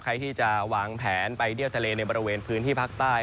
ใครที่จะวางแผนไปเที่ยวทะเลในบริเวณพื้นที่ภาคใต้